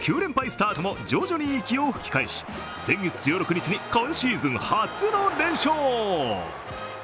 スタートも徐々に息を吹き返し先月１６日に今シーズン初の連勝。